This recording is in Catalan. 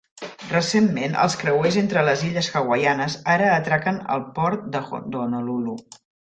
Recentment els creuers entre les Illes Hawaianes ara atraquen al port d'Honolulu.